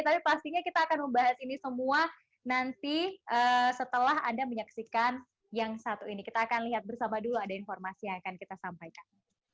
tapi pastinya kita akan membahas ini semua nanti setelah anda menyaksikan yang satu ini kita akan lihat bersama dulu ada informasi yang akan kita sampaikan